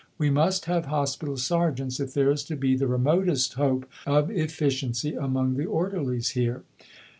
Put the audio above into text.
We must have Hospital Sergeants if there is to be the remotest hope of efficiency among the Orderlies here.